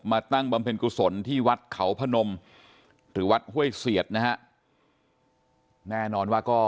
แม่นอนก็